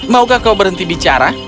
maukah kau berhenti bicara